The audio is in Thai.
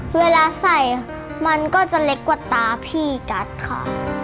เวลาใส่มันก็จะเล็กกว่าตาพี่กัดค่ะ